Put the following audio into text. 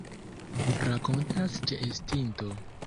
Rakontas ĉeestinto.